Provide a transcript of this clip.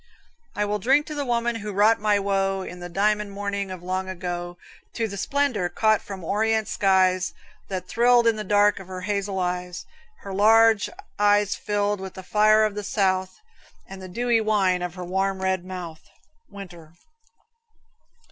I will drink to the woman who wrought my woe, In the diamond morning of long ago; To the splendor, caught from Orient skies, That thrilled in the dark of her hazel eyes, Her large eyes filled with the fire of the south, And the dewy wine of her warm red mouth. Winter.